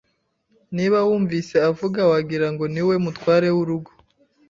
Niba wumvise avuga, wagira ngo niwe mutware w'urugo.